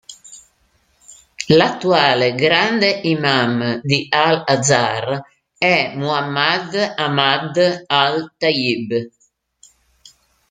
L'attuale Grande Imam di al-Azhar è Muḥammad Aḥmad al-Tayyib.